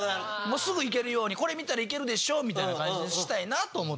すぐ行けるように「これ見たら行けるでしょ」みたいな感じにしたいなと思って。